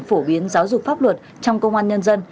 phổ biến giáo dục pháp luật trong công an nhân dân